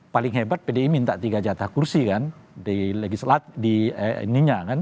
paling hebat pdi minta tiga jatah kursi kan